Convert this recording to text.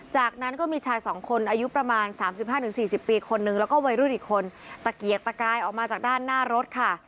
จากนั้นก็มีชายสองคนอายุประมาณ๓๕๔๐ปีคนนึงแล้วก็วัยรุ่นอีกคนตะเกียกตะกายออกมาจากด้านหน้ารถค่ะ